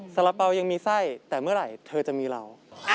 สาระเป๋ายังมีไส้แต่เมื่อไหร่เธอจะมีเรา